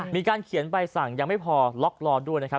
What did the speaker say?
มีการเขียนใบสั่งยังไม่พอล็อกรอด้วยนะครับ